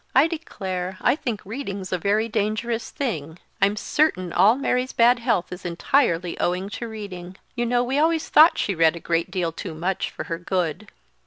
I declare, I think reading's a very dangerous thing; I'm certain all Mary's bad health is entirely owing to reading. You know we always thought she read a great deal too much for her good."